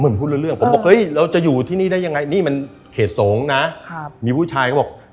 พูดรู้เรื่องผมบอกเฮ้ยเราจะอยู่ที่นี่ได้ยังไงนี่มันเขตสงฆ์นะครับมีผู้ชายเขาบอก